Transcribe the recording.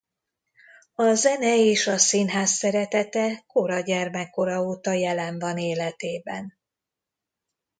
A zene és a színház szeretete kora gyermekkora óta jelen van életében.